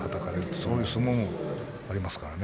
そういう相撲もありますからね。